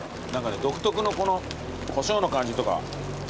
独特のこのこしょうの感じとか。